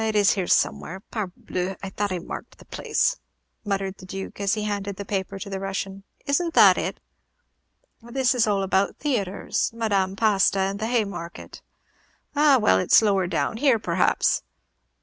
"It is here somewhere. Parbleu, I thought I marked the place," muttered the Duke, as he handed the paper to the Russian. "Is n't that it?" "This is all about theatres, Madame Pasta and the Haymarket." "Ah! well, it is lower down; here, perhaps."